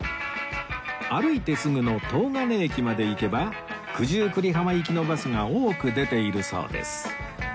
歩いてすぐの東金駅まで行けば九十九里浜行きのバスが多く出ているそうです